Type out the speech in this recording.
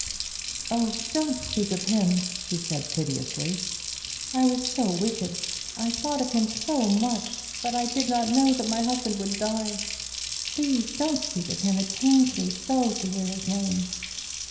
"Oh, don't speak of him!" she said, piteously. "I was so wicked; I thought of him so much; but I did not know that my husband would die. Please don't speak of him; it pains me so to hear his name."